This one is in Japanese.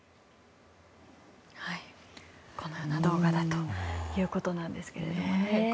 このような動画だということなんですけれど。